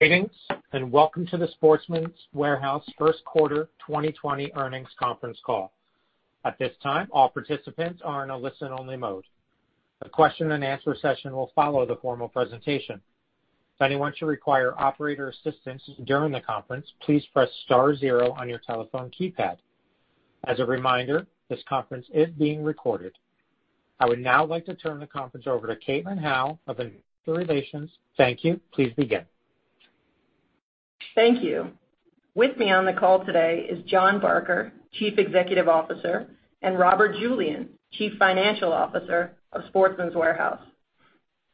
Greetings, welcome to the Sportsman's Warehouse first quarter 2020 earnings conference call. At this time, all participants are in a listen-only mode. A question and answer session will follow the formal presentation. If anyone should require operator assistance during the conference, please press star zero on your telephone keypad. As a reminder, this conference is being recorded. I would now like to turn the conference over to Caitlin Howe of Investor Relations. Thank you. Please begin. Thank you. With me on the call today is Jon Barker, Chief Executive Officer, and Robert Julian, Chief Financial Officer of Sportsman's Warehouse.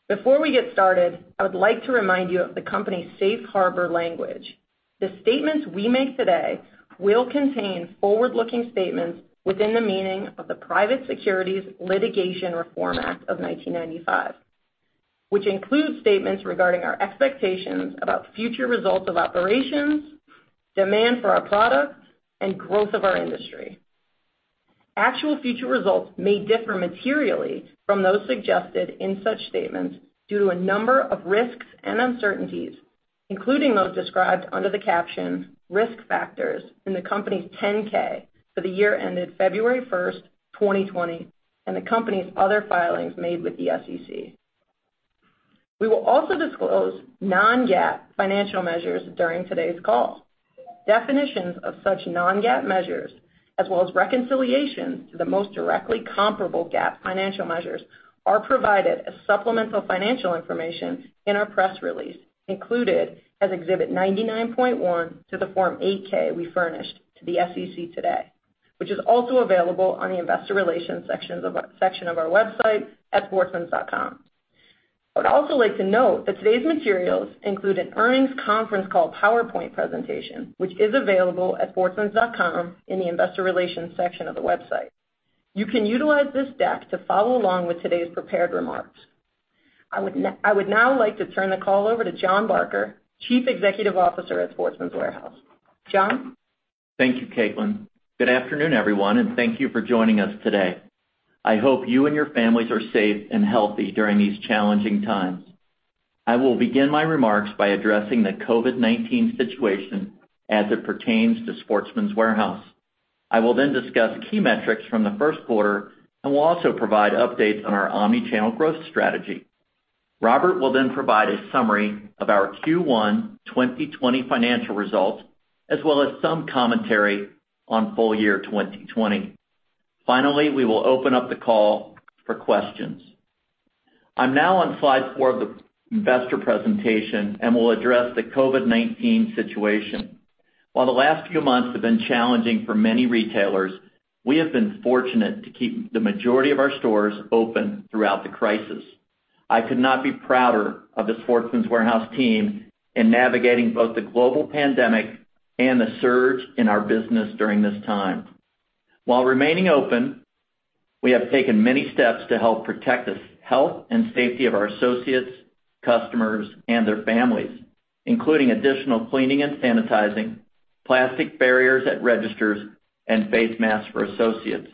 Before we get started, I would like to remind you of the company's safe harbor language. The statements we make today will contain forward-looking statements within the meaning of the Private Securities Litigation Reform Act of 1995, which includes statements regarding our expectations about future results of operations, demand for our products, and growth of our industry. Actual future results may differ materially from those suggested in such statements due to a number of risks and uncertainties, including those described under the caption "Risk Factors" in the company's 10-K for the year ended February 1st, 2020, and the company's other filings made with the SEC. We will also disclose non-GAAP financial measures during today's call. Definitions of such non-GAAP measures, as well as reconciliation to the most directly comparable GAAP financial measures, are provided as supplemental financial information in our press release, included as Exhibit 99.1 to the Form 8-K we furnished to the SEC today, which is also available on the investor relations section of our website at sportsmans.com. I would also like to note that today's materials include an earnings conference call PowerPoint presentation, which is available at sportsmans.com in the investor relations section of the website. You can utilize this deck to follow along with today's prepared remarks. I would now like to turn the call over to Jon Barker, Chief Executive Officer at Sportsman's Warehouse. Jon? Thank you, Caitlin. Good afternoon, everyone, and thank you for joining us today. I hope you and your families are safe and healthy during these challenging times. I will begin my remarks by addressing the COVID-19 situation as it pertains to Sportsman's Warehouse. I will then discuss key metrics from the first quarter and will also provide updates on our omni-channel growth strategy. Robert will then provide a summary of our Q1 2020 financial results, as well as some commentary on full year 2020. Finally, we will open up the call for questions. I'm now on slide four of the investor presentation and will address the COVID-19 situation. While the last few months have been challenging for many retailers, we have been fortunate to keep the majority of our stores open throughout the crisis. I could not be prouder of the Sportsman's Warehouse team in navigating both the global pandemic and the surge in our business during this time. While remaining open, we have taken many steps to help protect the health and safety of our associates, customers, and their families, including additional cleaning and sanitizing, plastic barriers at registers, and face masks for associates.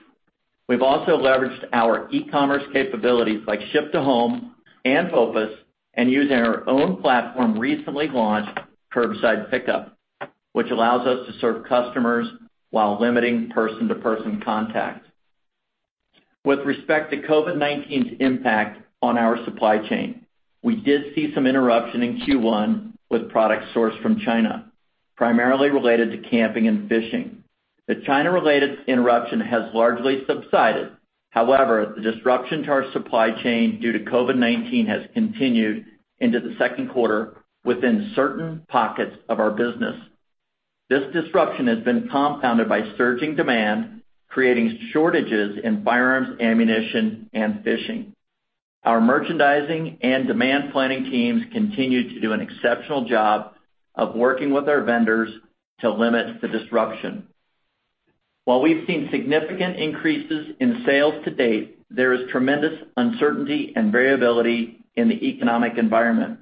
We've also leveraged our e-commerce capabilities like Ship to Home and BOPIS and used our own platform recently launched, Curbside Pickup, which allows us to serve customers while limiting person-to-person contact. With respect to COVID-19's impact on our supply chain, we did see some interruption in Q1 with products sourced from China, primarily related to camping and fishing. The China-related interruption has largely subsided. The disruption to our supply chain due to COVID-19 has continued into the second quarter within certain pockets of our business. This disruption has been compounded by surging demand, creating shortages in firearms ammunition and fishing. Our merchandising and demand planning teams continue to do an exceptional job of working with our vendors to limit the disruption. While we've seen significant increases in sales to date, there is tremendous uncertainty and variability in the economic environment.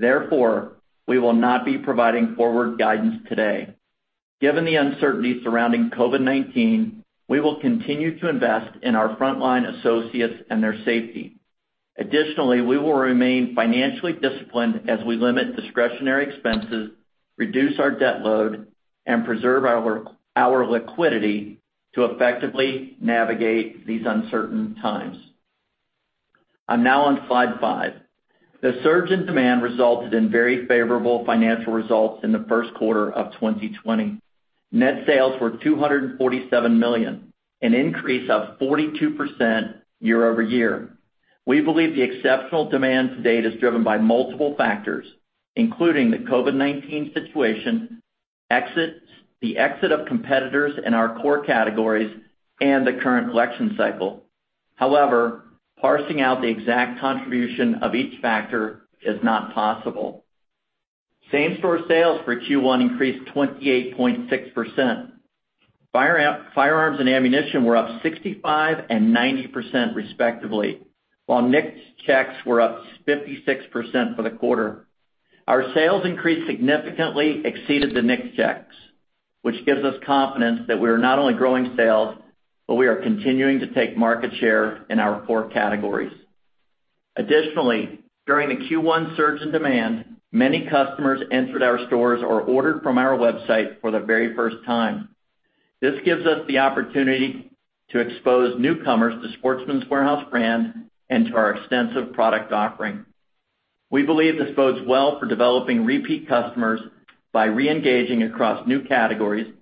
We will not be providing forward guidance today. Given the uncertainty surrounding COVID-19, we will continue to invest in our frontline associates and their safety. We will remain financially disciplined as we limit discretionary expenses, reduce our debt load, and preserve our liquidity to effectively navigate these uncertain times. I'm now on slide five. The surge in demand resulted in very favorable financial results in the first quarter of 2020. Net sales were $247 million, an increase of 42% year-over-year. We believe the exceptional demand to date is driven by multiple factors, including the COVID-19 situation, the exit of competitors in our core categories, and the current election cycle. However, parsing out the exact contribution of each factor is not possible. Same-store sales for Q1 increased 28.6%. Firearms and ammunition were up 65% and 90% respectively, while NICS checks were up 56% for the quarter. Our sales increase significantly exceeded the NICS checks. Which gives us confidence that we are not only growing sales, but we are continuing to take market share in our core categories. Additionally, during the Q1 surge in demand, many customers entered our stores or ordered from our website for the very first time. This gives us the opportunity to expose newcomers to Sportsman's Warehouse brand and to our extensive product offering. We believe this bodes well for developing repeat customers by re-engaging across new categories,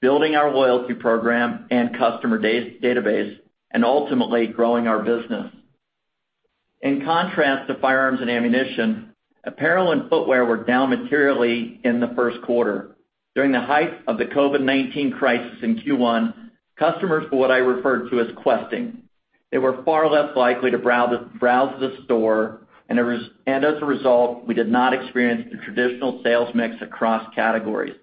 building our loyalty program and customer database, and ultimately growing our business. In contrast to firearms and ammunition, apparel and footwear were down materially in the first quarter. During the height of the COVID-19 crisis in Q1, customers were what I referred to as questing. They were far less likely to browse the store, as a result, we did not experience the traditional sales mix across categories.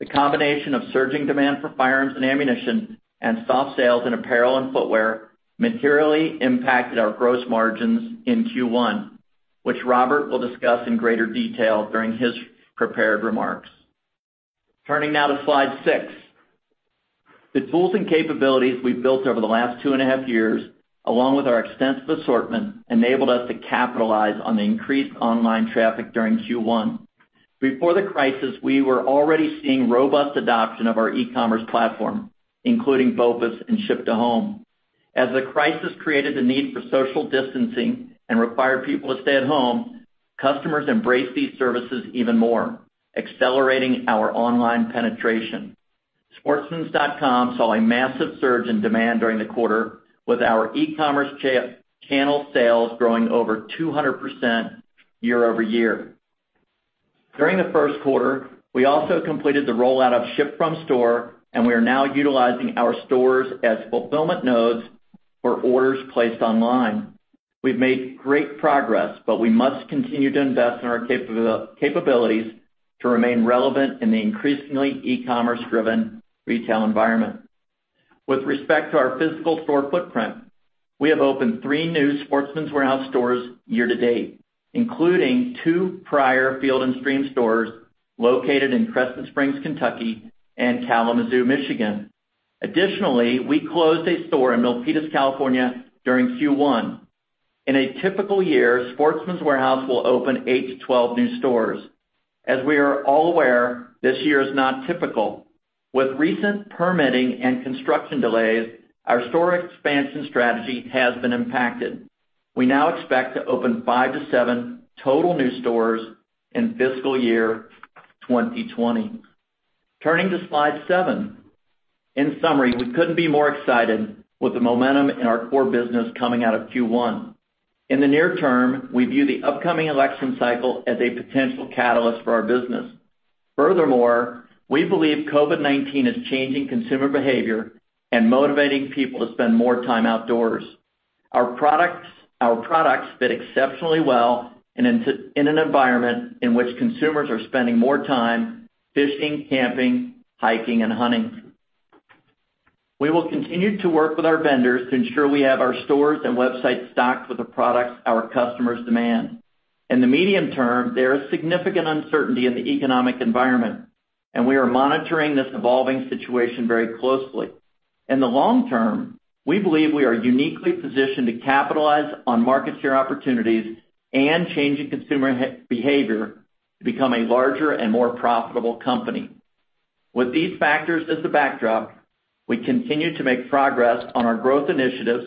The combination of surging demand for firearms and ammunition and soft sales in apparel and footwear materially impacted our gross margins in Q1, which Robert will discuss in greater detail during his prepared remarks. Turning now to slide six. The tools and capabilities we've built over the last two and a half years, along with our extensive assortment, enabled us to capitalize on the increased online traffic during Q1. Before the crisis, we were already seeing robust adoption of our e-commerce platform, including BOPUS and Ship to Home. As the crisis created the need for social distancing and required people to stay at home, customers embraced these services even more, accelerating our online penetration. sportsmans.com saw a massive surge in demand during the quarter with our e-commerce channel sales growing over 200% year-over-year. During the first quarter, we also completed the rollout of ship from store, and we are now utilizing our stores as fulfillment nodes for orders placed online. We've made great progress, but we must continue to invest in our capabilities to remain relevant in the increasingly e-commerce-driven retail environment. With respect to our physical store footprint, we have opened three new Sportsman's Warehouse stores year to date, including two prior Field & Stream stores located in Crescent Springs, Kentucky and Kalamazoo, Michigan. We closed a store in Milpitas, California during Q1. In a typical year, Sportsman's Warehouse will open 8-12 new stores. As we are all aware, this year is not typical. With recent permitting and construction delays, our store expansion strategy has been impacted. We now expect to open five to seven total new stores in fiscal year 2020. Turning to slide seven. In summary, we couldn't be more excited with the momentum in our core business coming out of Q1. In the near term, we view the upcoming election cycle as a potential catalyst for our business. Furthermore, we believe COVID-19 is changing consumer behavior and motivating people to spend more time outdoors. Our products fit exceptionally well in an environment in which consumers are spending more time fishing, camping, hiking, and hunting. We will continue to work with our vendors to ensure we have our stores and website stocked with the products our customers demand. In the medium term, there is significant uncertainty in the economic environment, and we are monitoring this evolving situation very closely. In the long term, we believe we are uniquely positioned to capitalize on market share opportunities and changing consumer behavior to become a larger and more profitable company. With these factors as the backdrop, we continue to make progress on our growth initiatives,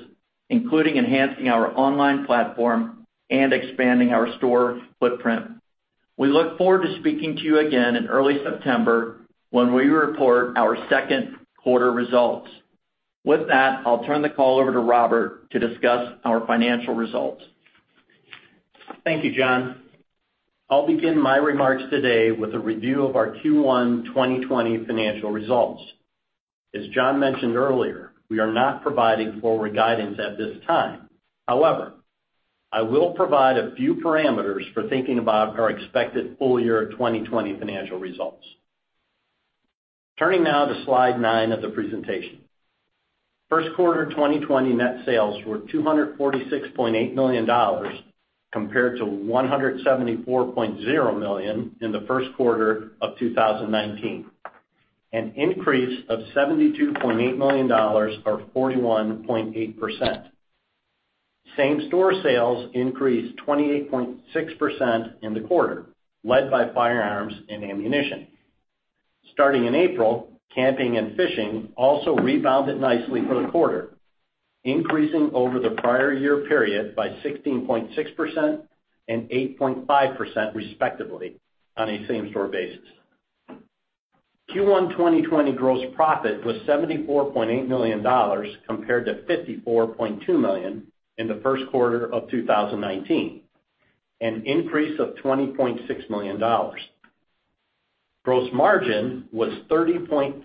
including enhancing our online platform and expanding our store footprint. We look forward to speaking to you again in early September when we report our second quarter results. With that, I'll turn the call over to Robert to discuss our financial results. Thank you, Jon. I'll begin my remarks today with a review of our Q1 2021 financial results. As Jon mentioned earlier, we are not providing forward guidance at this time. However, I will provide a few parameters for thinking about our expected full year 2020 financial results. Turning now to slide nine of the presentation. First quarter 2020 net sales were $246.8 million compared to $174.0 million in the first quarter of 2019, an increase of $72.8 million or 41.8%. Same-store sales increased 28.6% in the quarter, led by firearms and ammunition. Starting in April, camping and fishing also rebounded nicely for the quarter, increasing over the prior year period by 16.6% and 8.5%, respectively, on a same-store basis. Q1 2021 gross profit was $74.8 million compared to $54.2 million in the first quarter of 2019, an increase of $20.6 million. Gross margin was 30.3%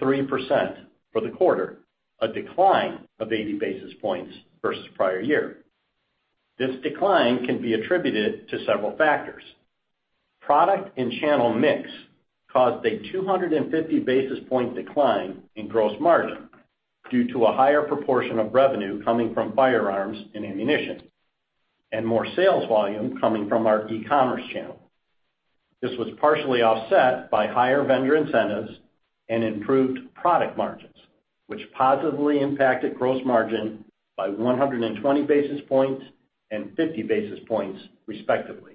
for the quarter, a decline of 80 basis points versus prior year. This decline can be attributed to several factors. Product and channel mix caused a 250 basis point decline in gross margin due to a higher proportion of revenue coming from firearms and ammunition. More sales volume coming from our e-commerce channel. This was partially offset by higher vendor incentives and improved product margins, which positively impacted gross margin by 120 basis points and 50 basis points respectively.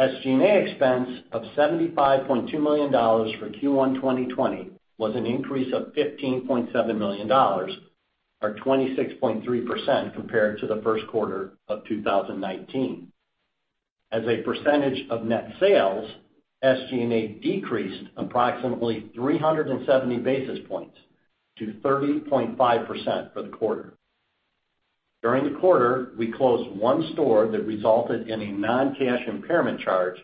SG&A expense of $75.2 million for Q1 2021 was an increase of $15.7 million or 26.3% compared to the first quarter of 2019. As a percentage of net sales, SG&A decreased approximately 370 basis points to 30.5% for the quarter. During the quarter, we closed one store that resulted in a non-cash impairment charge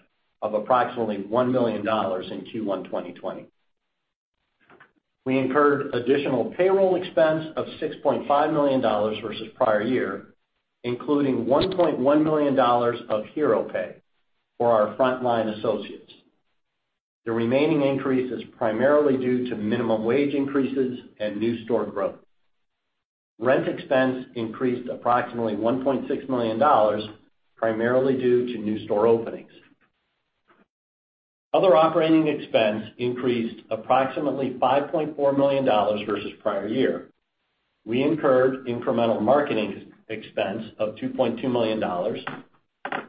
of approximately $1 million in Q1 2021. We incurred additional payroll expense of $6.5 million versus prior year, including $1.1 million of hero pay for our frontline associates. The remaining increase is primarily due to minimum wage increases and new store growth. Rent expense increased approximately $1.6 million, primarily due to new store openings. Other operating expense increased approximately $5.4 million versus prior year. We incurred incremental marketing expense of $2.2 million.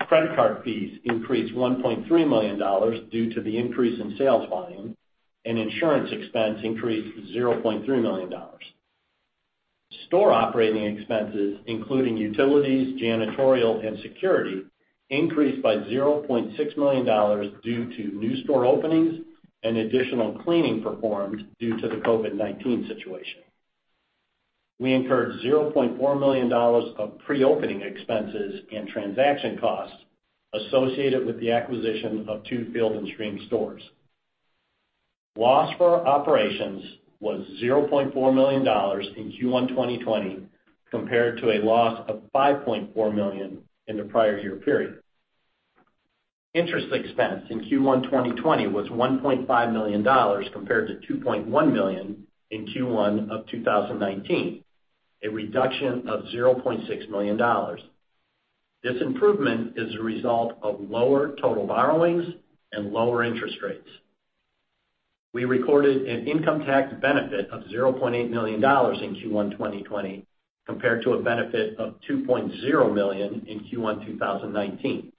Credit card fees increased $1.3 million due to the increase in sales volume, and insurance expense increased to $0.3 million. Store operating expenses, including utilities, janitorial and security, increased by $0.6 million due to new store openings and additional cleaning performed due to the COVID-19 situation. We incurred $0.4 million of pre-opening expenses and transaction costs associated with the acquisition of two Field & Stream stores. Loss from our operations was $0.4 million in Q1 2021 compared to a loss of $5.4 million in the prior year period. Interest expense in Q1 2021 was $1.5 million compared to $2.1 million in Q1 of 2019, a reduction of $0.6 million. This improvement is a result of lower total borrowings and lower interest rates. We recorded an income tax benefit of $0.8 million in Q1 2021 compared to a benefit of $2.0 million in Q1 2019.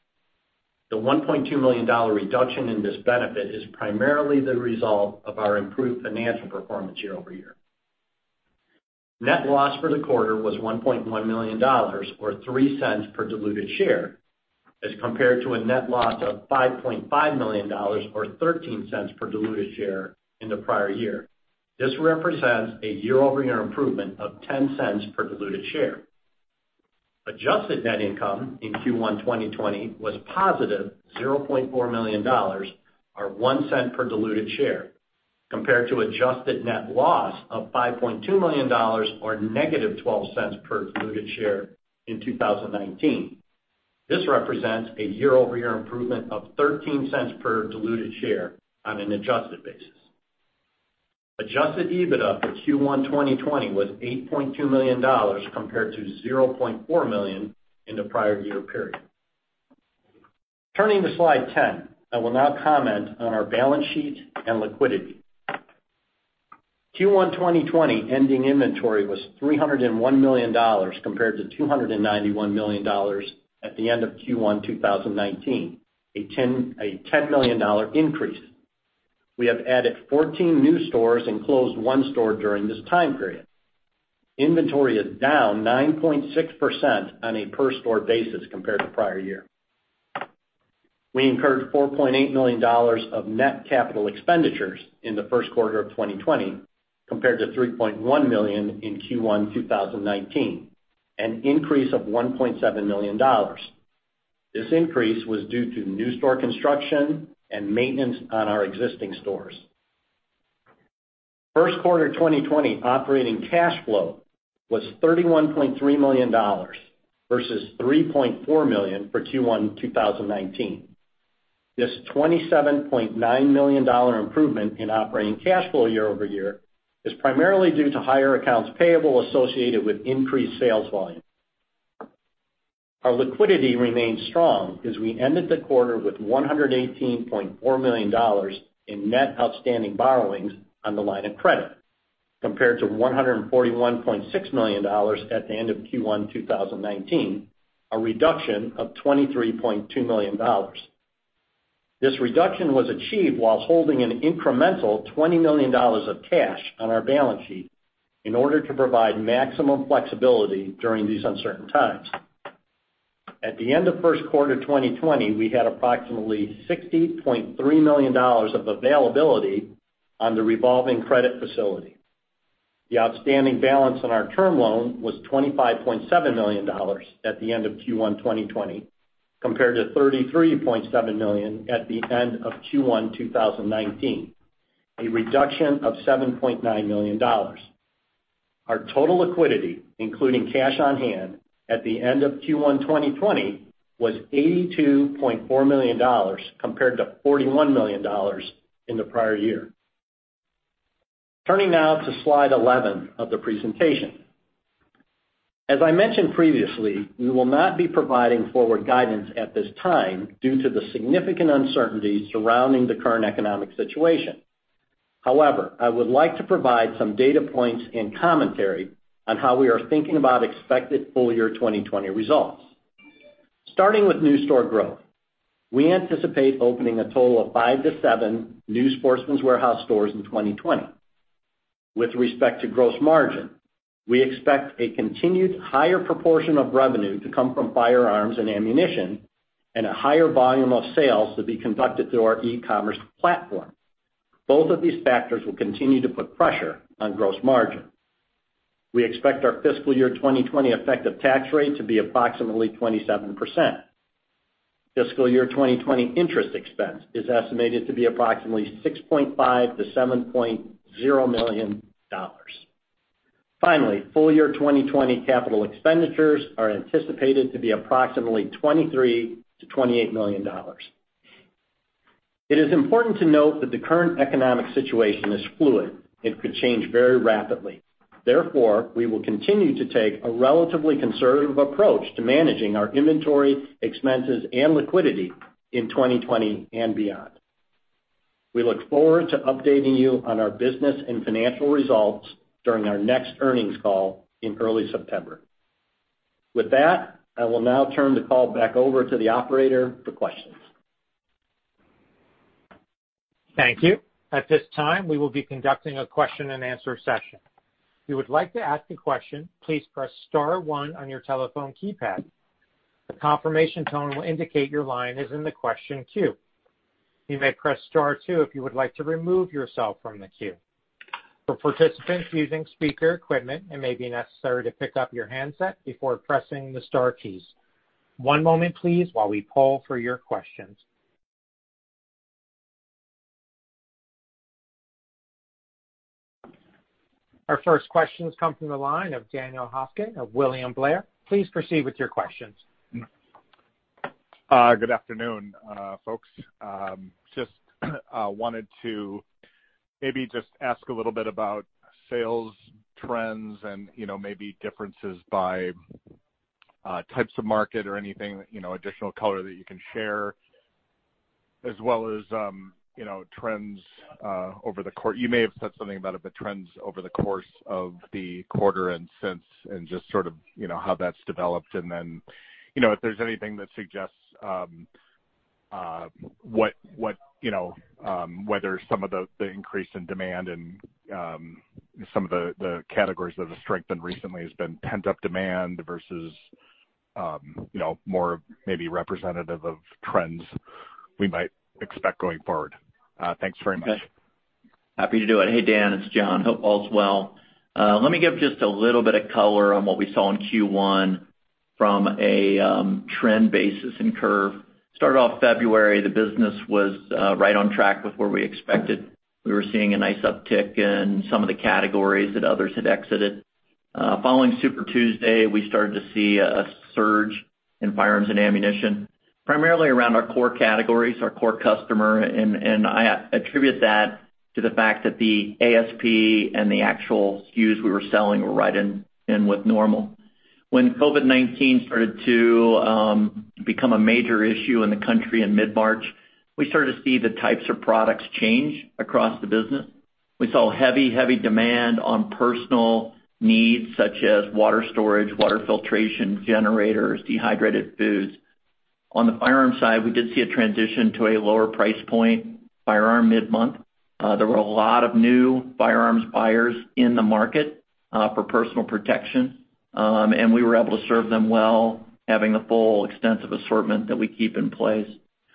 The $1.2 million reduction in this benefit is primarily the result of our improved financial performance year-over-year. Net loss for the quarter was $1.1 million or $0.03 per diluted share as compared to a net loss of $5.5 million or $0.13 per diluted share in the prior year. This represents a year-over-year improvement of $0.10 per diluted share. Adjusted net income in Q1 2021 was positive $0.4 million or $0.01 per diluted share compared to adjusted net loss of $5.2 million or -$0.12 per diluted share in 2019. This represents a year-over-year improvement of $0.13 per diluted share on an adjusted basis. Adjusted EBITDA for Q1 2021 was $8.2 million compared to $0.4 million in the prior year period. Turning to slide 10, I will now comment on our balance sheet and liquidity. Q1 2021 ending inventory was $301 million compared to $291 million at the end of Q1 2019, a $10 million increase. We have added 14 new stores and closed one store during this time period. Inventory is down 9.6% on a per store basis compared to prior year. We incurred $4.8 million of net capital expenditures in the first quarter of 2020 compared to $3.1 million in Q1 2019, an increase of $1.7 million. This increase was due to new store construction and maintenance on our existing stores. First quarter 2020 operating cash flow was $31.3 million versus $3.4 million for Q1 2019. This $27.9 million improvement in operating cash flow year-over-year is primarily due to higher accounts payable associated with increased sales volume. Our liquidity remains strong as we ended the quarter with $118.4 million in net outstanding borrowings on the line of credit compared to $141.6 million at the end of Q1 2019, a reduction of $23.2 million. This reduction was achieved while holding an incremental $20 million of cash on our balance sheet in order to provide maximum flexibility during these uncertain times. At the end of first quarter 2020, we had approximately $60.3 million of availability on the revolving credit facility. The outstanding balance on our term loan was $25.7 million at the end of Q1 2021 compared to $33.7 million at the end of Q1 2019, a reduction of $7.9 million. Our total liquidity including cash on hand at the end of Q1 2021 was $82.4 million compared to $41 million in the prior year. Turning now to slide 11 of the presentation. As I mentioned previously, we will not be providing forward guidance at this time due to the significant uncertainty surrounding the current economic situation. However, I would like to provide some data points and commentary on how we are thinking about expected full-year 2020 results. Starting with new store growth. We anticipate opening a total of five to seven new Sportsman's Warehouse stores in 2020. With respect to gross margin, we expect a continued higher proportion of revenue to come from firearms and ammunition and a higher volume of sales to be conducted through our e-commerce platform. Both of these factors will continue to put pressure on gross margin. We expect our fiscal year 2020 effective tax rate to be approximately 27%. Fiscal year 2020 interest expense is estimated to be approximately $6.5 million-$7.0 million. Finally, full-year 2020 capital expenditures are anticipated to be approximately $23 million-$28 million. It is important to note that the current economic situation is fluid, it could change very rapidly. Therefore, we will continue to take a relatively conservative approach to managing our inventory, expenses, and liquidity in 2020 and beyond. We look forward to updating you on our business and financial results during our next earnings call in early September. With that, I will now turn the call back over to the operator for questions. Thank you. At this time, we will be conducting a question and answer session. If you would like to ask a question, please press star one on your telephone keypad. A confirmation tone will indicate your line is in the question queue. You may press star two if you would like to remove yourself from the queue. For participants using speaker equipment, it may be necessary to pick up your handset before pressing the star keys. One moment please, while we poll for your questions. Our first questions come from the line of Daniel Hofkin of William Blair. Please proceed with your questions. Good afternoon, folks. Just wanted to maybe just ask a little bit about sales trends and maybe differences by types of market or anything, additional color that you can share as well as, you may have said something about it, but trends over the course of the quarter and since, and just sort of how that's developed. If there's anything that suggests whether some of the increase in demand and some of the categories that have strengthened recently has been pent-up demand versus more maybe representative of trends we might expect going forward. Thanks very much. Happy to do it. Hey, Daniel, it's Jon. Hope all's well. Let me give just a little bit of color on what we saw in Q1 from a trend basis and curve. Start off February, the business was right on track with where we expected. We were seeing a nice uptick in some of the categories that others had exited. Following Super Tuesday, we started to see a surge in firearms and ammunition, primarily around our core categories, our core customer, and I attribute that to the fact that the ASP and the actual SKUs we were selling were right in with normal. When COVID-19 started to become a major issue in the country in mid-March, we started to see the types of products change across the business. We saw heavy demand on personal needs such as water storage, water filtration, generators, dehydrated foods. On the firearm side, we did see a transition to a lower price point firearm mid-month. There were a lot of new firearms buyers in the market for personal protection. We were able to serve them well, having the full extensive assortment that we keep in place.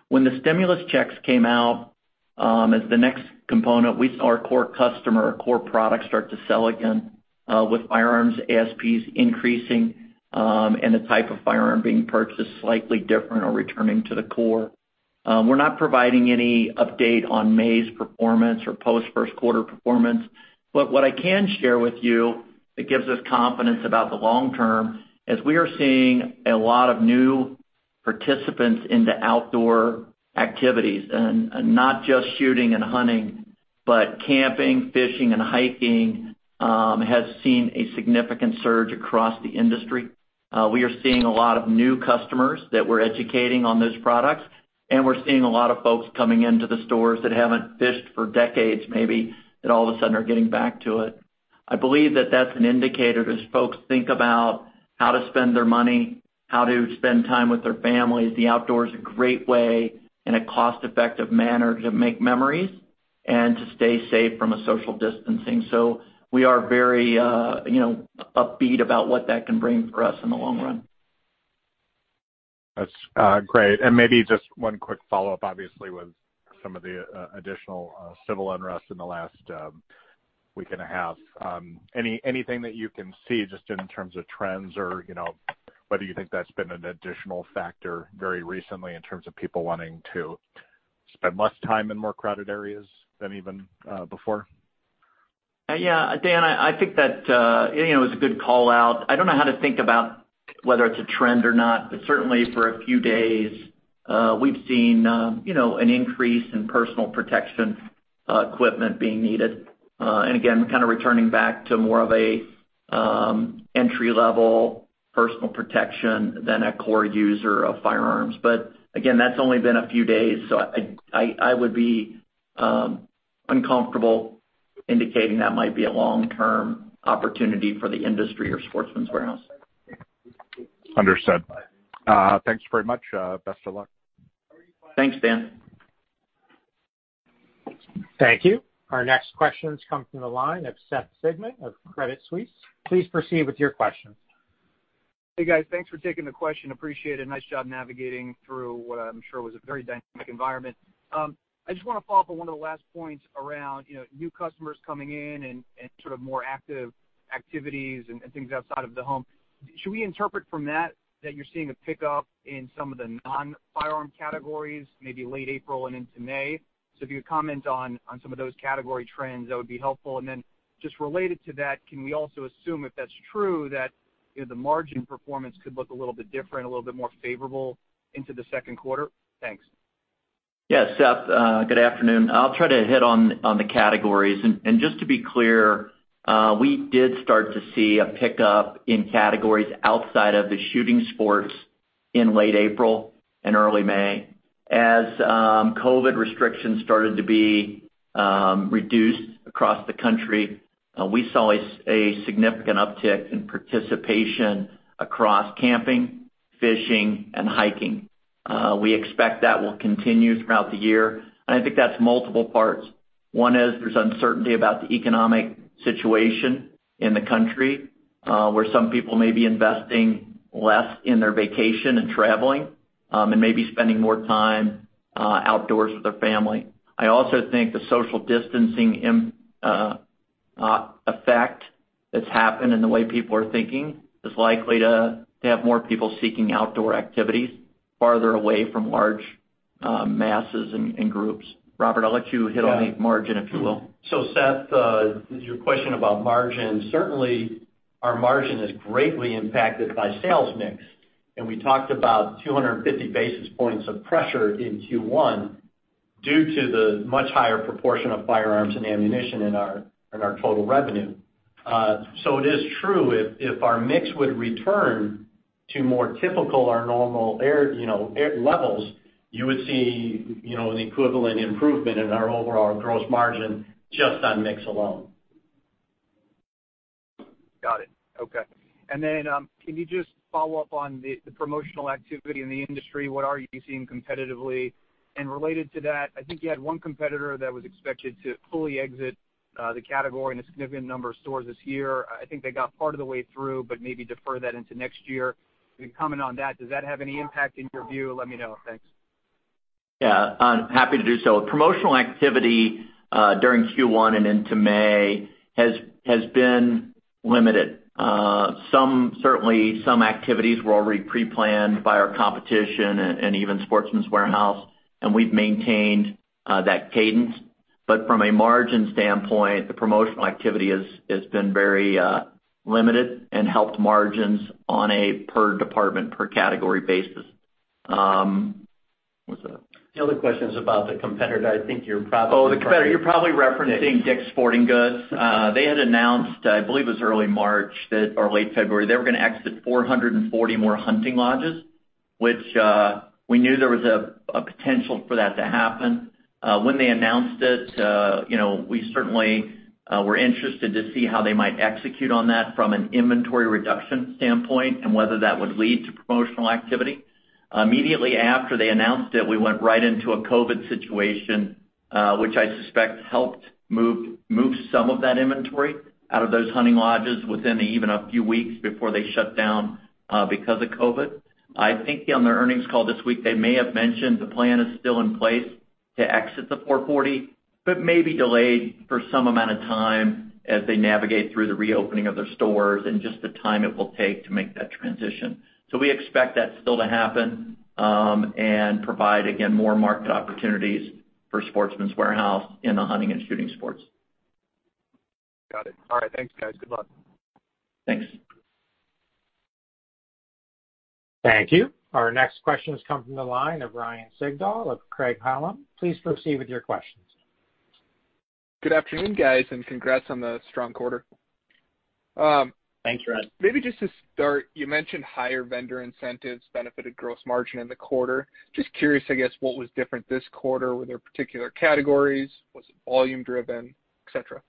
When the stimulus checks came out as the next component, we saw our core customer, our core products start to sell again with firearms ASPs increasing and the type of firearm being purchased slightly different or returning to the core. We're not providing any update on May's performance or post first quarter performance, but what I can share with you that gives us confidence about the long term, is we are seeing a lot of new participants into outdoor activities. Not just shooting and hunting, but camping, fishing, and hiking has seen a significant surge across the industry. We are seeing a lot of new customers that we're educating on those products, and we're seeing a lot of folks coming into the stores that haven't fished for decades maybe, that all of a sudden are getting back to it. I believe that that's an indicator as folks think about how to spend their money, how to spend time with their families. The outdoors is a great way and a cost-effective manner to make memories and to stay safe from a social distancing. We are very upbeat about what that can bring for us in the long run. That's great. Maybe just one quick follow-up, obviously, with some of the additional civil unrest in the last week and a half. Anything that you can see just in terms of trends or whether you think that's been an additional factor very recently in terms of people wanting to spend less time in more crowded areas than even before? Yeah. Daniel, I think that is a good call-out. I don't know how to think about. Whether it's a trend or not, but certainly for a few days, we've seen an increase in personal protection equipment being needed. Again, kind of returning back to more of a entry-level personal protection than a core user of firearms. Again, that's only been a few days, so I would be uncomfortable indicating that might be a long-term opportunity for the industry or Sportsman's Warehouse. Understood. Thanks very much. Best of luck. Thanks, Daniel. Thank you. Our next questions come from the line of Seth Sigman of Credit Suisse. Please proceed with your questions. Hey, guys. Thanks for taking the question, appreciate it. Nice job navigating through what I'm sure was a very dynamic environment. I just want to follow up on one of the last points around new customers coming in and sort of more active activities and things outside of the home. Should we interpret from that you're seeing a pickup in some of the non-firearm categories, maybe late April and into May? If you would comment on some of those category trends, that would be helpful. Then just related to that, can we also assume if that's true, that the margin performance could look a little bit different, a little bit more favorable into the second quarter? Thanks. Yeah, Seth. Good afternoon. I'll try to hit on the categories. Just to be clear, we did start to see a pickup in categories outside of the shooting sports in late April and early May. As COVID-19 restrictions started to be reduced across the country, we saw a significant uptick in participation across camping, fishing, and hiking. We expect that will continue throughout the year. I think that's multiple parts. One is there's uncertainty about the economic situation in the country. Where some people may be investing less in their vacation and traveling, and maybe spending more time outdoors with their family. I also think the social distancing effect that's happened and the way people are thinking is likely to have more people seeking outdoor activities farther away from large masses and groups. Robert, I'll let you hit on the margin, if you will. Seth, your question about margin. Certainly, our margin is greatly impacted by sales mix. We talked about 250 basis points of pressure in Q1 due to the much higher proportion of firearms and ammunition in our total revenue. It is true, if our mix would return to more typical or normal levels, you would see an equivalent improvement in our overall gross margin just on mix alone. Got it. Okay. Can you just follow up on the promotional activity in the industry? What are you seeing competitively? Related to that, I think you had one competitor that was expected to fully exit the category in a significant number of stores this year. I think they got part of the way through, but maybe defer that into next year. Any comment on that? Does that have any impact in your view? Let me know. Thanks. Yeah. Happy to do so. Promotional activity during Q1 and into May has been limited. Certainly, some activities were already pre-planned by our competition and even Sportsman's Warehouse, we've maintained that cadence. From a margin standpoint, the promotional activity has been very limited and helped margins on a per department, per category basis. What's that? The other question's about the competitor. Oh, the competitor. You're probably referencing Dick's Sporting Goods. They had announced, I believe it was early March, or late February, they were going to exit 440 more hunting lounges, which we knew there was a potential for that to happen. When they announced it, we certainly were interested to see how they might execute on that from an inventory reduction standpoint and whether that would lead to promotional activity. Immediately after they announced it, we went right into a COVID situation, which I suspect helped move some of that inventory out of those hunting lounges within even a few weeks before they shut down because of COVID. I think on their earnings call this week, they may have mentioned the plan is still in place to exit the 440, but may be delayed for some amount of time as they navigate through the reopening of their stores and just the time it will take to make that transition. We expect that still to happen and provide, again, more market opportunities for Sportsman's Warehouse in the hunting and shooting sports. Got it. All right. Thanks, guys. Good luck. Thanks. Thank you. Our next questions come from the line of Ryan Sigdahl of Craig-Hallum. Please proceed with your questions. Good afternoon, guys, and congrats on the strong quarter. Thanks, Ryan. Maybe just to start, you mentioned higher vendor incentives benefited gross margin in the quarter. Just curious, I guess, what was different this quarter? Were there particular categories? Was it volume driven, et cetera?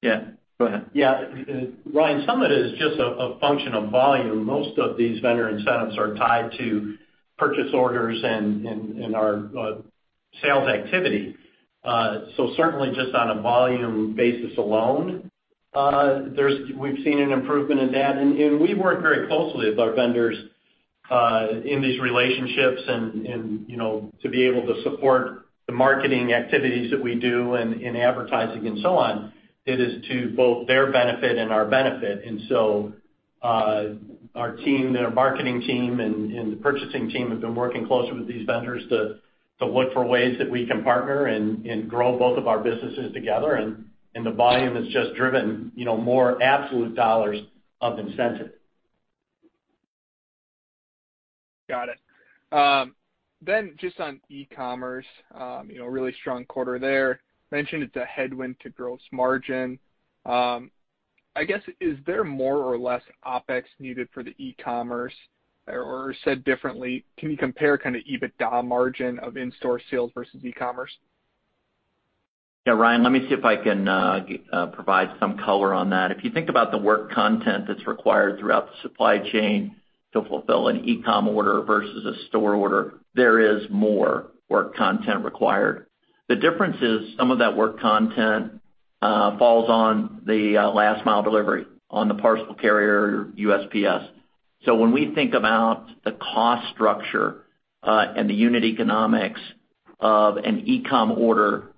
Yeah. Go ahead. Yeah. Ryan, some of it is just a function of volume. Most of these vendor incentives are tied to purchase orders and our sales activity. Certainly just on a volume basis alone, we've seen an improvement in that. We work very closely with our vendors in these relationships and to be able to support the marketing activities that we do and advertising and so on. It is to both their benefit and our benefit. Our team, their marketing team and the purchasing team have been working closely with these vendors to look for ways that we can partner and grow both of our businesses together, and the volume has just driven more absolute dollars of incentive. Got it. Just on e-commerce, really strong quarter there. Mentioned it's a headwind to gross margin. I guess, is there more or less OpEx needed for the e-commerce? Said differently, can you compare kind of EBITDA margin of in-store sales versus e-commerce? Ryan. Let me see if I can provide some color on that. If you think about the work content that's required throughout the supply chain to fulfill an e-com order versus a store order, there is more work content required. The difference is some of that work content falls on the last mile delivery on the parcel carrier USPS. When we think about the cost structure and the unit economics of an e-com order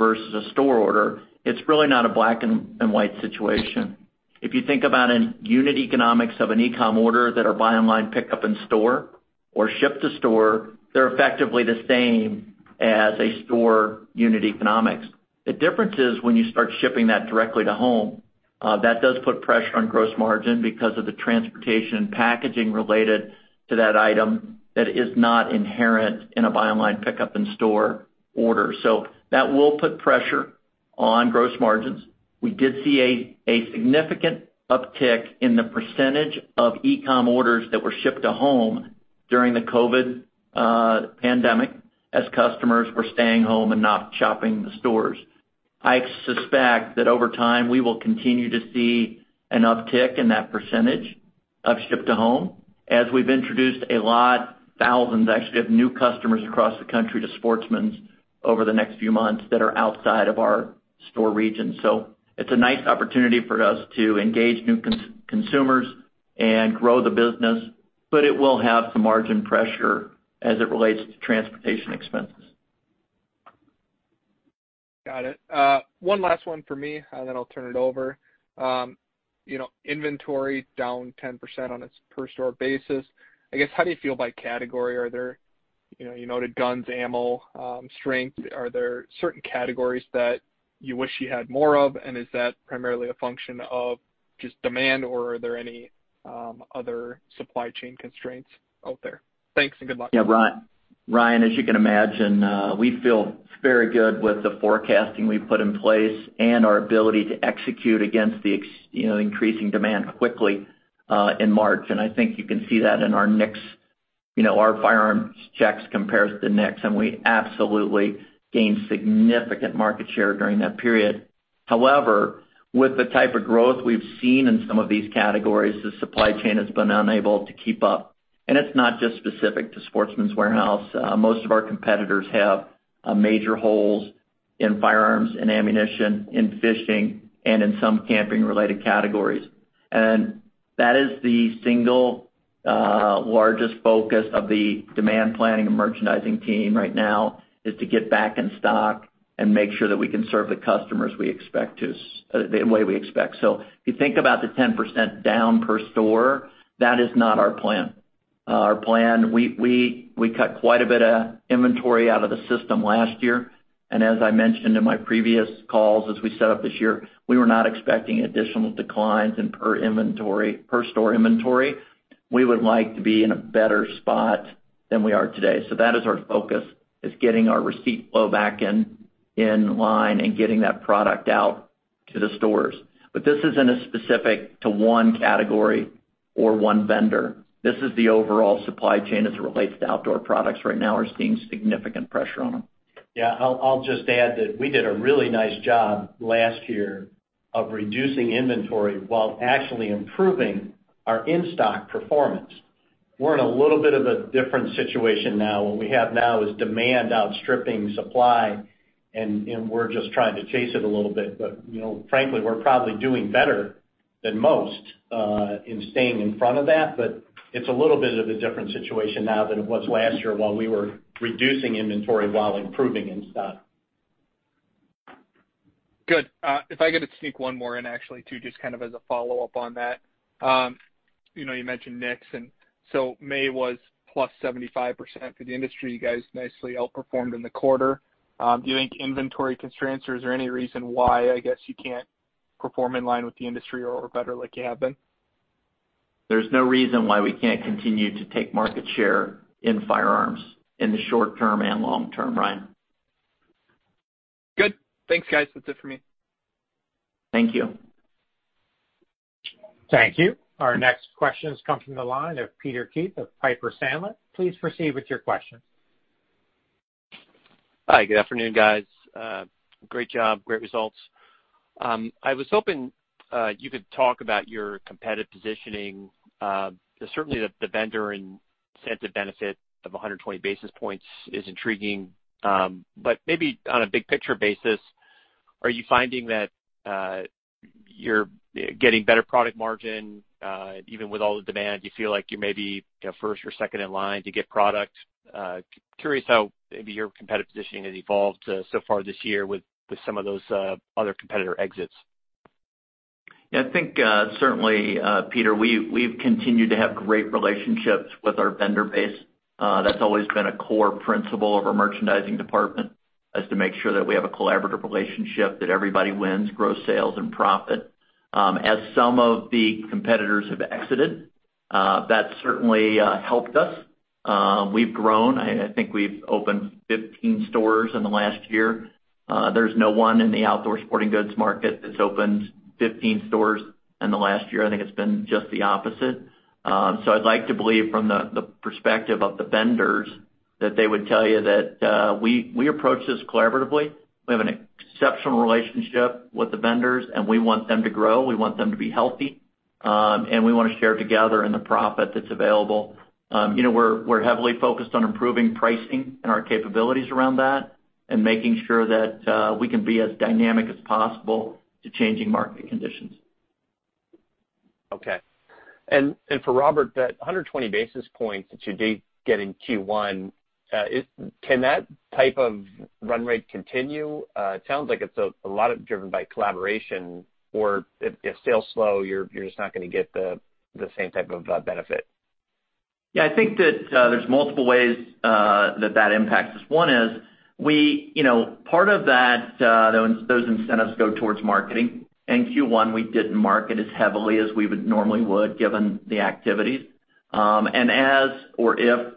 versus a store order, it's really not a black and white situation. If you think about an unit economics of an e-com order that are buy online pick up in store or ship to store, they're effectively the same as a store unit economics. The difference is when you start shipping that directly to home, that does put pressure on gross margin because of the transportation and packaging related to that item that is not inherent in a buy online pick up in store order. That will put pressure on gross margins. We did see a significant uptick in the percentage of e-com orders that were Ship to Home during the COVID pandemic as customers were staying home and not shopping the stores. I suspect that over time, we will continue to see an uptick in that percentage of Ship to Home as we've introduced a lot, thousands actually, of new customers across the country to Sportsman's Warehouse over the next few months that are outside of our store region. It's a nice opportunity for us to engage new consumers and grow the business, but it will have some margin pressure as it relates to transportation expenses. Got it. One last one for me, and then I'll turn it over. Inventory down 10% on its per store basis. I guess, how do you feel by category? You noted guns, ammo strength. Is that primarily a function of just demand, or are there any other supply chain constraints out there? Thanks and good luck. Yeah, Ryan, as you can imagine, we feel very good with the forecasting we've put in place and our ability to execute against the increasing demand quickly in March. I think you can see that in our firearms checks compares to NICS, and we absolutely gained significant market share during that period. However, with the type of growth we've seen in some of these categories, the supply chain has been unable to keep up. It's not just specific to Sportsman's Warehouse. Most of our competitors have major holes in firearms and ammunition, in fishing, and in some camping-related categories. That is the single largest focus of the demand planning and merchandising team right now is to get back in stock and make sure that we can serve the customers the way we expect. If you think about the 10% down per store, that is not our plan. We cut quite a bit of inventory out of the system last year, and as I mentioned in my previous calls, as we set up this year, we were not expecting additional declines in per store inventory. We would like to be in a better spot than we are today. That is our focus, is getting our receipt flow back in line and getting that product out to the stores. This isn't specific to one category or one vendor. This is the overall supply chain as it relates to outdoor products right now are seeing significant pressure on them. Yeah. I'll just add that we did a really nice job last year of reducing inventory while actually improving our in-stock performance. We're in a little bit of a different situation now. What we have now is demand outstripping supply, and we're just trying to chase it a little bit. Frankly, we're probably doing better than most in staying in front of that. It's a little bit of a different situation now than it was last year while we were reducing inventory while improving in-stock. Good. If I could just sneak one more in actually, too, just kind of as a follow-up on that. You mentioned NICS, and so May was +75% for the industry. You guys nicely outperformed in the quarter. Do you think inventory constraints, or is there any reason why, I guess, you can't perform in line with the industry or better like you have been? There's no reason why we can't continue to take market share in firearms in the short term and long term, Ryan. Good. Thanks, guys. That's it for me. Thank you. Thank you. Our next question comes from the line of Peter Keith of Piper Sandler. Please proceed with your question. Hi, good afternoon, guys. Great job. Great results. I was hoping you could talk about your competitive positioning. Certainly, the vendor incentive benefit of 120 basis points is intriguing. Maybe on a big picture basis, are you finding that you're getting better product margin even with all the demand? Do you feel like you may be first or second in line to get product? Curious how maybe your competitive positioning has evolved so far this year with some of those other competitor exits. I think certainly, Peter, we've continued to have great relationships with our vendor base. That's always been a core principle of our merchandising department, is to make sure that we have a collaborative relationship, that everybody wins, grow sales and profit. As some of the competitors have exited, that certainly helped us. We've grown. I think we've opened 15 stores in the last year. There's no one in the outdoor sporting goods market that's opened 15 stores in the last year. I think it's been just the opposite. I'd like to believe from the perspective of the vendors, that they would tell you that we approach this collaboratively. We have an exceptional relationship with the vendors, and we want them to grow. We want them to be healthy. We want to share together in the profit that's available. We're heavily focused on improving pricing and our capabilities around that, and making sure that we can be as dynamic as possible to changing market conditions. Okay. For Robert, that 120 basis points that you did get in Q1, can that type of run rate continue? It sounds like it's a lot driven by collaboration, or if sales slow, you're just not going to get the same type of benefit. Yeah. I think that there's multiple ways that that impacts us. One is part of those incentives go towards marketing. In Q1, we didn't market as heavily as we would normally, given the activities. As or if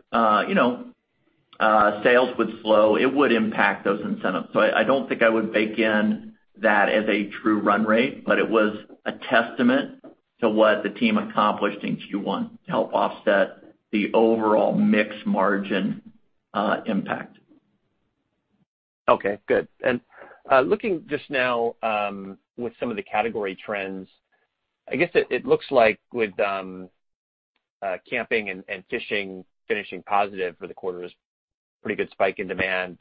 sales would slow, it would impact those incentives. I don't think I would bake in that as a true run rate, but it was a testament to what the team accomplished in Q1 to help offset the overall mix margin impact. Okay, good. Looking just now with some of the category trends, I guess it looks like with camping and fishing finishing positive for the quarter, it was a pretty good spike in demand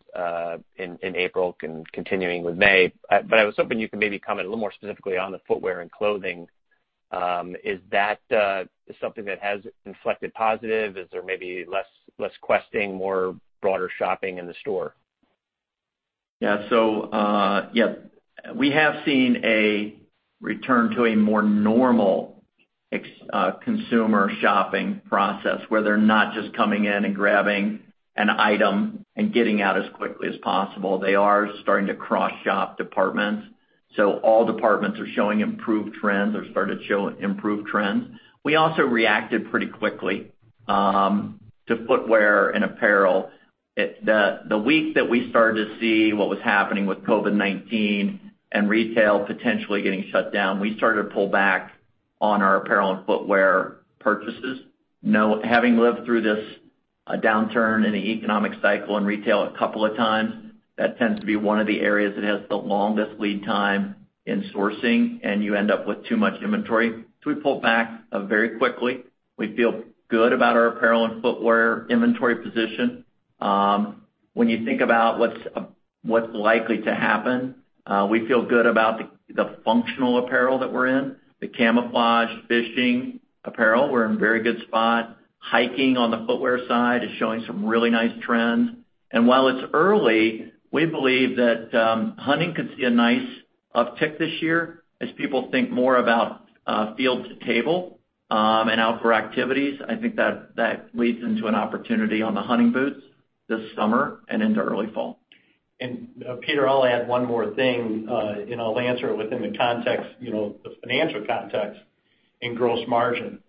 in April continuing with May. I was hoping you could maybe comment a little more specifically on the footwear and clothing. Is that something that has inflected positive? Is there maybe less questing, more broader shopping in the store? We have seen a return to a more normal consumer shopping process, where they're not just coming in and grabbing an item and getting out as quickly as possible. They are starting to cross-shop departments. All departments are showing improved trends or started to show improved trends. We also reacted pretty quickly to footwear and apparel. The week that we started to see what was happening with COVID-19 and retail potentially getting shut down, we started to pull back on our apparel and footwear purchases. Having lived through this downturn in the economic cycle in retail a couple of times, that tends to be one of the areas that has the longest lead time in sourcing, and you end up with too much inventory. We pulled back very quickly. We feel good about our apparel and footwear inventory position. When you think about what's likely to happen, we feel good about the functional apparel that we're in. The camouflage fishing apparel, we're in a very good spot. Hiking on the footwear side is showing some really nice trends. While it's early, we believe that hunting could see a nice uptick this year as people think more about field-to-table and outdoor activities. I think that leads into an opportunity on the hunting boots this summer and into early fall. Peter, I'll add one more thing, and I'll answer it within the financial context in gross margin.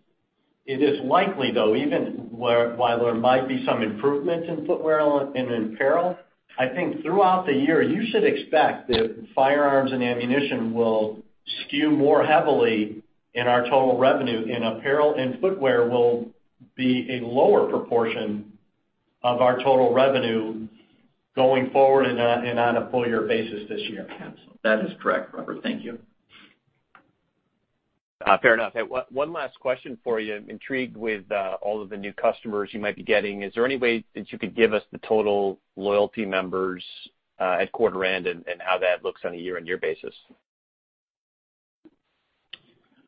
It is likely, though, even while there might be some improvements in footwear and in apparel, I think throughout the year, you should expect that firearms and ammunition will skew more heavily in our total revenue, and apparel and footwear will be a lower proportion of our total revenue going forward and on a full-year basis this year. That is correct, Robert. Thank you. Fair enough. One last question for you. I'm intrigued with all of the new customers you might be getting. Is there any way that you could give us the total loyalty members at quarter end and how that looks on a year-on-year basis?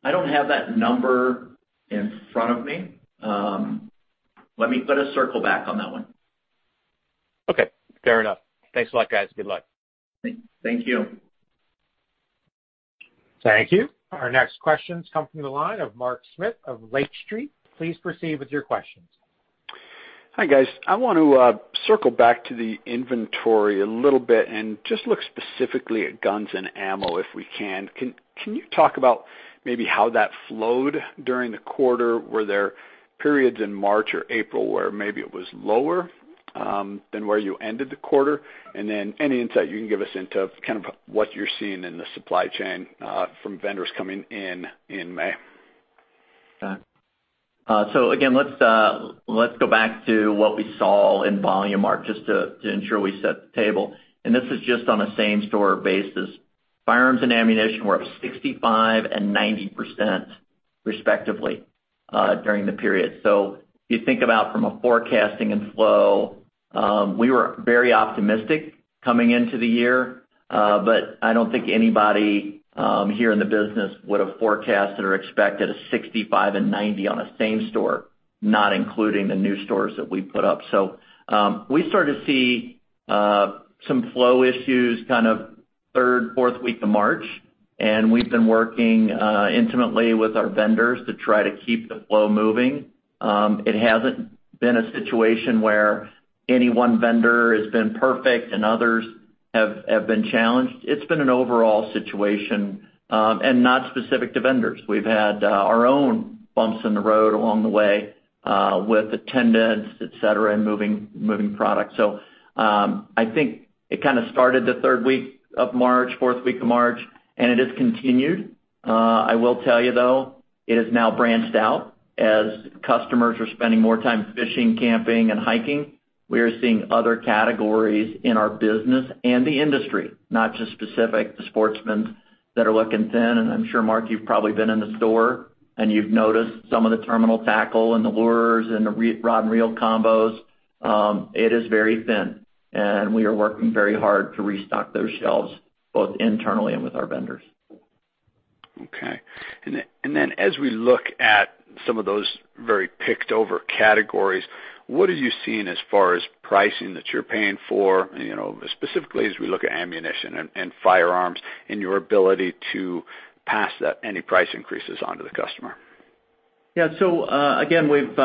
I don't have that number in front of me. Let me put a circle back on that one. Okay. Fair enough. Thanks a lot, guys. Good luck. Thank you. Thank you. Our next questions come from the line of Mark Smith of Lake Street Capital Markets. Please proceed with your questions. Hi, guys. I want to circle back to the inventory a little bit and just look specifically at guns and ammunition if we can. Can you talk about maybe how that flowed during the quarter? Were there periods in March or April where maybe it was lower than where you ended the quarter? Any insight you can give us into kind of what you're seeing in the supply chain from vendors coming in in May. Again, let's go back to what we saw in volume, Mark, just to ensure we set the table, and this is just on a same-store basis. Firearms and ammunition were up 65% and 90%, respectively, during the period. If you think about from a forecasting and flow, we were very optimistic coming into the year. I don't think anybody here in the business would have forecasted or expected a 65% and 90% on a same-store, not including the new stores that we put up. We started to see some flow issues kind of third, fourth week of March, and we've been working intimately with our vendors to try to keep the flow moving. It hasn't been a situation where any one vendor has been perfect and others have been challenged. It's been an overall situation and not specific to vendors. We've had our own bumps in the road along the way with attendance, et cetera, in moving product. I think it kind of started the third week of March, fourth week of March, and it has continued. I will tell you, though, it has now branched out as customers are spending more time fishing, camping, and hiking. We are seeing other categories in our business and the industry, not just specific to Sportsman's Warehouse that are looking thin. I'm sure, Mark, you've probably been in the store and you've noticed some of the terminal tackle and the lures and the rod and reel combos. It is very thin, and we are working very hard to restock those shelves both internally and with our vendors. Okay. As we look at some of those very picked-over categories, what are you seeing as far as pricing that you're paying for, specifically as we look at ammunition and firearms, and your ability to pass any price increases on to the customer? Again, we've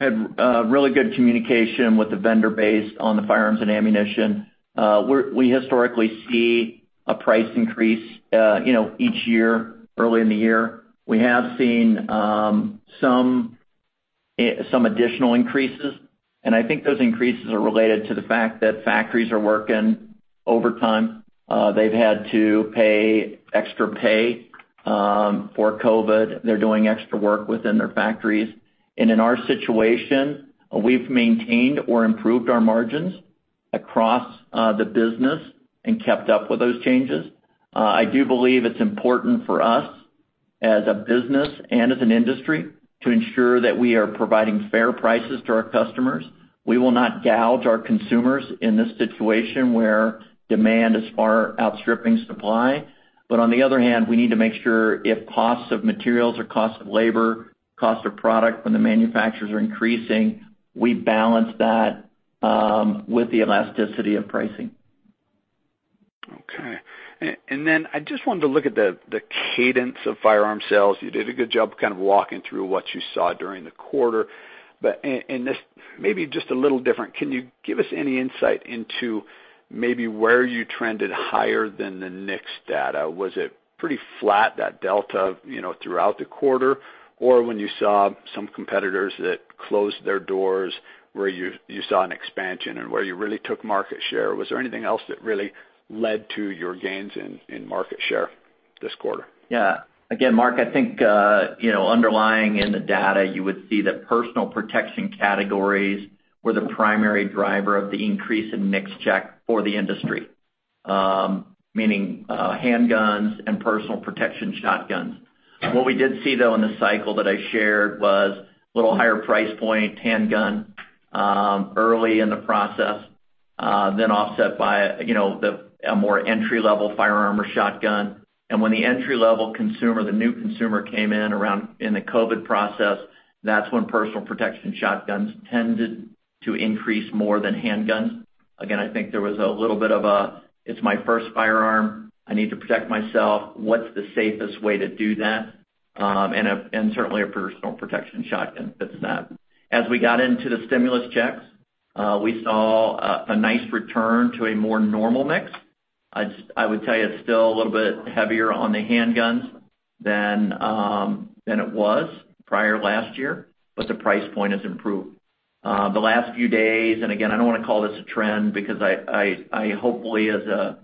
had really good communication with the vendor base on the firearms and ammunition. We historically see a price increase each year early in the year. We have seen some additional increases, I think those increases are related to the fact that factories are working overtime. They've had to pay extra pay for COVID-19. They're doing extra work within their factories. In our situation, we've maintained or improved our margins across the business and kept up with those changes. I do believe it's important for us as a business and as an industry to ensure that we are providing fair prices to our customers. We will not gouge our consumers in this situation where demand is far outstripping supply. On the other hand, we need to make sure if costs of materials or costs of labor, costs of product when the manufacturers are increasing, we balance that with the elasticity of pricing. Okay. Then I just wanted to look at the cadence of firearm sales. You did a good job kind of walking through what you saw during the quarter. In this, maybe just a little different, can you give us any insight into maybe where you trended higher than the NICS data? Was it pretty flat, that delta throughout the quarter? When you saw some competitors that closed their doors, where you saw an expansion and where you really took market share? Was there anything else that really led to your gains in market share this quarter? Yeah. Again, Mark, I think underlying in the data, you would see that personal protection categories were the primary driver of the increase in NICS check for the industry, meaning handguns and personal protection shotguns. What we did see, though, in the cycle that I shared was a little higher price point handgun early in the process then offset by a more entry-level firearm or shotgun. When the entry-level consumer, the new consumer came in around in the COVID process, that's when personal protection shotguns tended to increase more than handguns. Again, I think there was a little bit of a, "It's my first firearm. I need to protect myself. What's the safest way to do that?" Certainly, a personal protection shotgun fits that. As we got into the stimulus checks, we saw a nice return to a more normal mix. I would tell you it's still a little bit heavier on the handguns than it was prior last year, but the price point has improved. Again, I don't want to call this a trend because I hopefully as a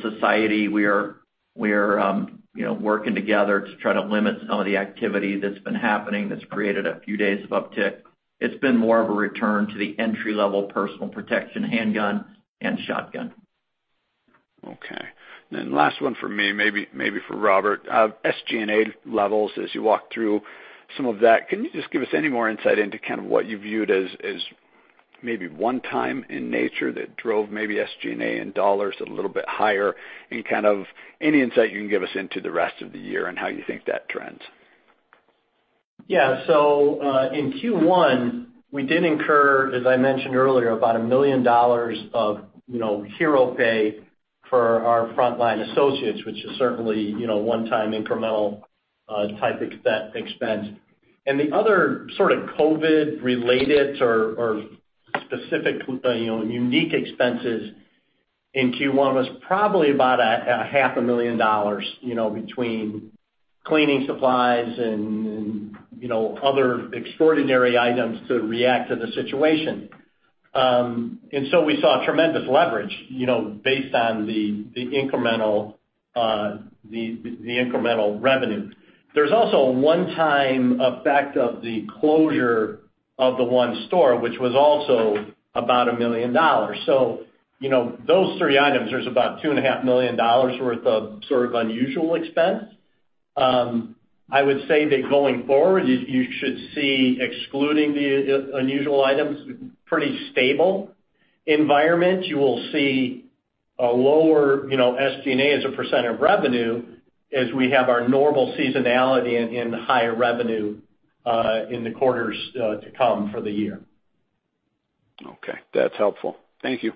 society, we are working together to try to limit some of the activity that's been happening that's created a few days of uptick. It's been more of a return to the entry level personal protection handgun and shotgun. Okay. Last one from me, maybe for Robert. SG&A levels as you walk through some of that, can you just give us any more insight into kind of what you viewed as maybe one-time in nature that drove maybe SG&A in dollars a little bit higher? Kind of any insight you can give us into the rest of the year and how you think that trends. In Q1, we did incur, as I mentioned earlier, about $1 million of hero pay for our frontline associates, which is certainly one-time incremental type expense. The other sort of COVID-related or specific unique expenses in Q1 was probably about a half a million dollars between cleaning supplies and other extraordinary items to react to the situation. We saw tremendous leverage based on the incremental revenue. There's also a one-time effect of the closure of the one store, which was also about $1 million. Those three items, there's about $2.5 million worth of sort of unusual expense. I would say that going forward, you should see, excluding the unusual items, pretty stable environment. You will see a lower SG&A as a percent of revenue, as we have our normal seasonality in the higher revenue in the quarters to come for the year. Okay. That's helpful. Thank you.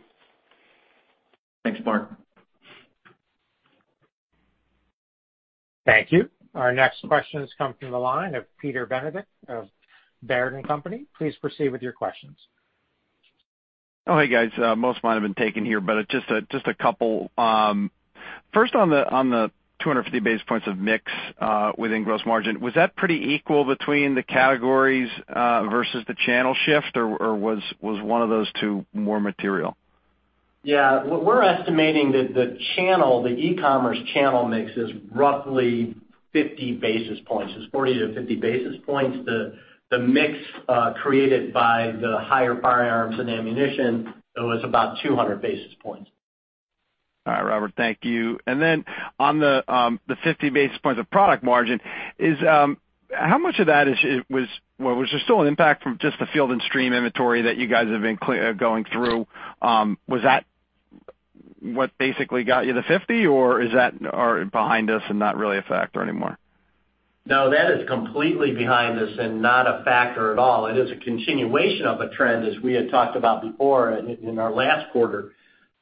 Thanks, Mark. Thank you. Our next questions come from the line of Peter Benedict of Baird. Please proceed with your questions. Oh, hey, guys. Most might have been taken here, but just a couple. First, on the 250 basis points of mix within gross margin, was that pretty equal between the categories versus the channel shift, or was one of those two more material? Yeah. We're estimating that the channel, the e-commerce channel mix is roughly 50 basis points. It's 40-50 basis points. The mix created by the higher firearms and ammunition was about 200 basis points. All right, Robert. Thank you. Then on the 50 basis points of product margin, was there still an impact from just the Field & Stream inventory that you guys have been going through? Was that what basically got you the 50 basis points, or is that behind us and not really a factor anymore? No, that is completely behind us and not a factor at all. It is a continuation of a trend as we had talked about before in our last quarter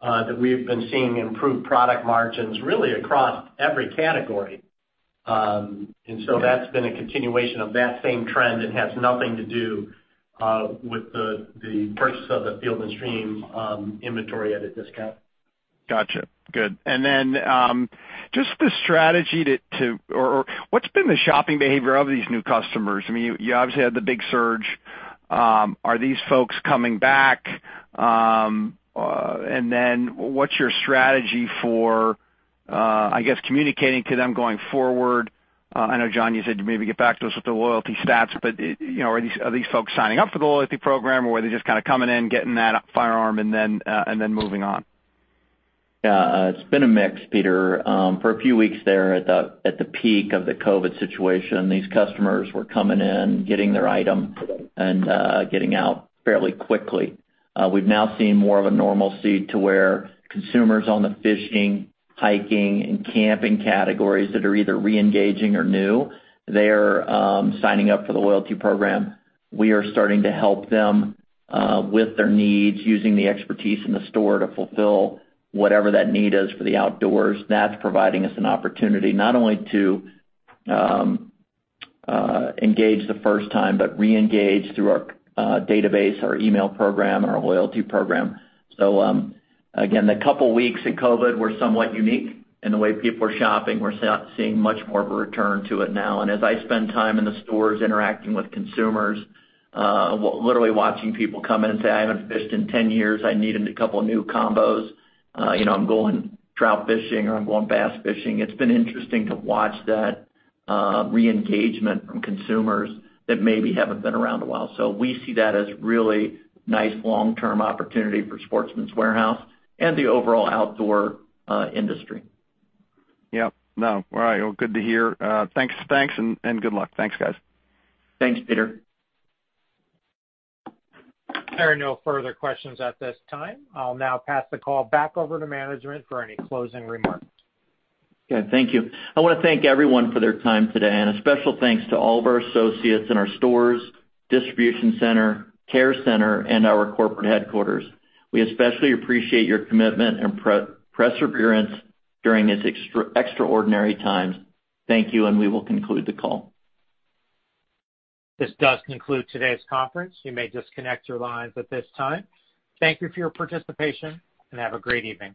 that we've been seeing improved product margins really across every category. That's been a continuation of that same trend. It has nothing to do with the purchase of the Field & Stream inventory at a discount. Gotcha. Good. What's been the shopping behavior of these new customers? You obviously had the big surge. Are these folks coming back? What's your strategy for, I guess, communicating to them going forward? I know, Jon, you said you'd maybe get back to us with the loyalty stats, but are these folks signing up for the loyalty program, or are they just kind of coming in, getting that firearm, and then moving on? It's been a mix, Peter. For a few weeks there at the peak of the COVID situation, these customers were coming in, getting their item, and getting out fairly quickly. We've now seen more of a normalcy to where consumers on the fishing, hiking, and camping categories that are either re-engaging or new, they're signing up for the loyalty program. We are starting to help them with their needs using the expertise in the store to fulfill whatever that need is for the outdoors. That's providing us an opportunity not only to engage the first time but re-engage through our database, our email program, and our loyalty program. Again, the couple weeks in COVID were somewhat unique in the way people were shopping. We're seeing much more of a return to it now. As I spend time in the stores interacting with consumers, literally watching people come in and say, "I haven't fished in 10 years. I need a couple of new combos. I'm going trout fishing," or, "I'm going bass fishing." It's been interesting to watch that re-engagement from consumers that maybe haven't been around a while. We see that as really nice long-term opportunity for Sportsman's Warehouse and the overall outdoor industry. Yep. No. All right. Well, good to hear. Thanks, and good luck. Thanks, guys. Thanks, Peter. There are no further questions at this time. I'll now pass the call back over to management for any closing remarks. Okay. Thank you. I wanna thank everyone for their time today, and a special thanks to all of our associates in our stores, distribution center, care center, and our corporate headquarters. We especially appreciate your commitment and perseverance during these extraordinary times. Thank you. We will conclude the call. This does conclude today's conference. You may disconnect your lines at this time. Thank you for your participation, and have a great evening.